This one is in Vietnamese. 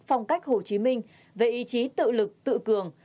phong cách hồ chí minh về ý chí tự lực tự cường